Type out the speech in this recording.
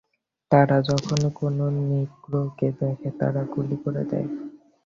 তারা যখনি কোনো নিগ্রোকে দেখে তারা গুলি করে দেয়।